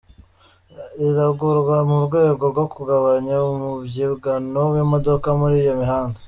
Iragurwa mu rwego rwo kugabanya umubyigano w’imodoka muri iyo mihanda.